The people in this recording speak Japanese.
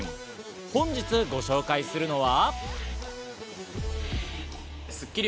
本日ご紹介するのは。